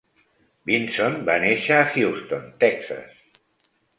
Vinson va néixer a Houston, Texas.